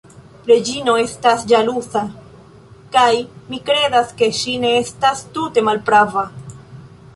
Reĝino estas ĵaluza: kaj mi kredas, ke ŝi ne estas tute malprava.